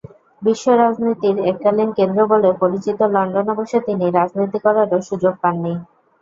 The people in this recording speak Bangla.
বিশ্বরাজনীতির এককালীন কেন্দ্র বলে পরিচিত লন্ডনে বসে তিনি রাজনীতি করারও সুযোগ পাননি।